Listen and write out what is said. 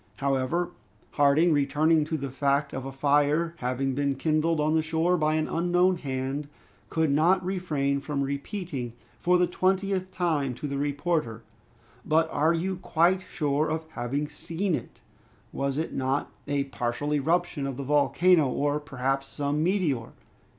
However, Harding, returning to the fact of a fire having been kindled on the shore by an unknown hand, could not refrain from repeating for the twentieth time to the reporter, "But are you quite sure of having seen it? Was it not a partial eruption of the volcano, or perhaps some meteor?"